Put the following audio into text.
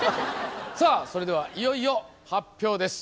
さあそれではいよいよ発表です。